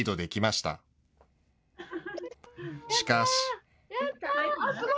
しかし。